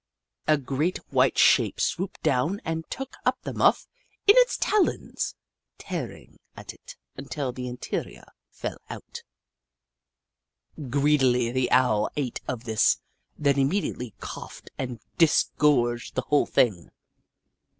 A great white shape swooped down and took up the muff in its talons, tearing at it until the interior fell out. Greedily, the Owl 200 The Book of Clever Beasts ate of this, then immediately coughed and dis gorged the whole thing.